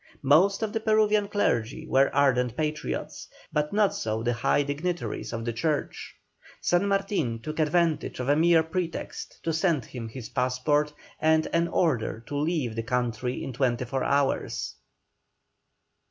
Most of the Peruvian clergy were ardent Patriots, but not so the high dignitaries of the church. San Martin took advantage of a mere pretext to send him his passport and an order to leave the country in twenty four hours.